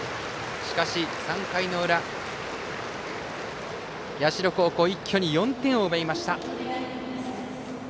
しかし、３回の裏社高校、一挙に４点を奪いました。